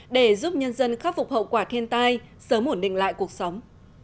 để giúp nhân dân khắc phục hậu quả thiên tai sớm ổn định lại cuộc sống